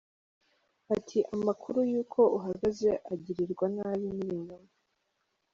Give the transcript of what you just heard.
Ati: “Amakuru y’uko uhageze agirirwa nabi ni ibinyoma.